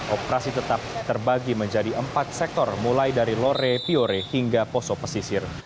operasi tetap terbagi menjadi empat sektor mulai dari lore piore hingga poso pesisir